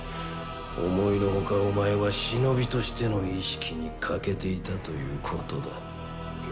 思いのほかお前は忍としての意識に欠けていたということだ。